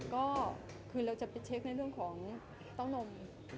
ก็คือเราจะไปเช็คในเรื่องของเต้านม